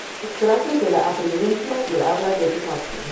Extractos de la apariencia y el habla de Tchaikovsky.